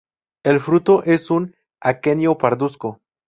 El fruto es un aquenio pardusco.